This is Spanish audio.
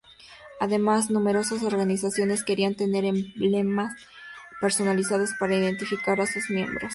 Además, numerosas organizaciones querían tener emblemas personalizados para identificar a sus miembros.